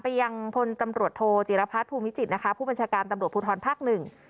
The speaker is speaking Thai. ไปยังพนตำรวจโทจิระพัฒน์ภูมิจิตรผู้บัญชาการตำรวจภูทรภักดิ์หนึ่ง